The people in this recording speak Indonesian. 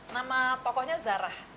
nama tokohnya zarah